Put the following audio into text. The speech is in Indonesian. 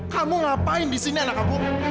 kamu ngapain di sini anak kamu